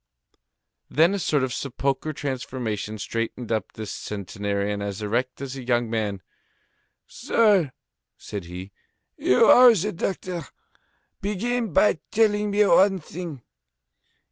Then a sort of sepulchral transformation straightened up this centenarian as erect as a young man. "Sir," said he, "you are the doctor. Begin by telling me one thing.